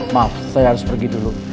maaf saya harus pergi dulu